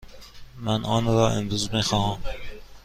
من آن را امروز می خواهم.